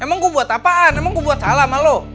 emang gue buat apaan emang gue buat salah sama lo